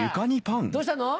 どうしたの？